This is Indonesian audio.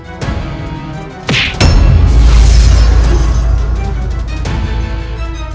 aku dilahirkan bukan menjadi penakut kuranda geni